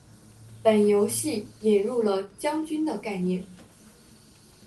本游戏引人了将军的概念。